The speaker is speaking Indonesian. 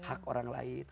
hak orang lain